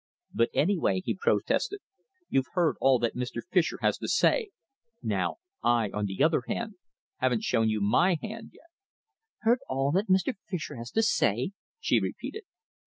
"But anyway," he protested, "you've heard all that Mr. Fischer has to say. Now I, on the other hand, haven't shown you my hand yet." "Heard all that Mr. Fischer has to say?" she repeated.